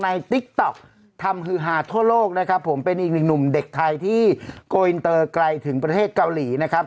นะครับผมทอดหน่อยนะครับ